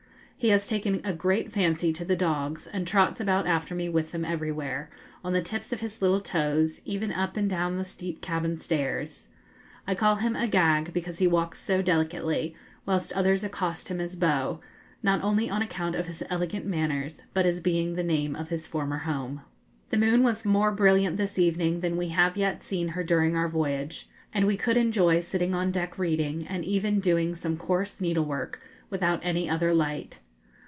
He has taken a great fancy to the dogs, and trots about after me with them everywhere, on the tips of his little toes, even up and down the steep cabin stairs. I call him Agag, because he walks so delicately, whilst others accost him as Beau, not only on account of his elegant manners, but as being the name of his former home. The moon was more brilliant this evening than we have yet seen her during our voyage, and we could enjoy sitting on deck reading, and even doing some coarse needlework, without any other light.